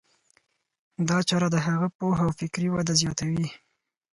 دا چاره د هغه پوهه او فکري وده زیاتوي.